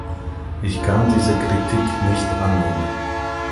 Ich kann diese Kritik nicht annehmen.